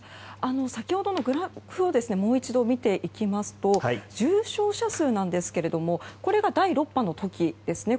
先ほどのグラフをもう一度見ていきますと重症者数なんですがこれが第６波の時ですね。